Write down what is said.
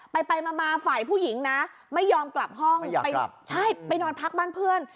ไปไปมาฝ่ายผู้หญิงนะไม่ยอมกลับห้องไปใช่ไปนอนพักบ้านเพื่อน